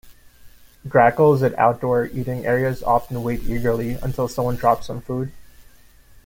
Grackles at outdoor eating areas often wait eagerly until someone drops some food.